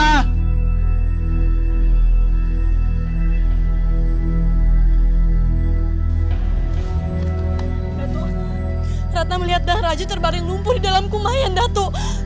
dato ratna melihat nahrajo terbareng lumpur di dalam kumayan dato